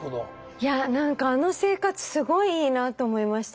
いや何かあの生活すごいいいなと思いました。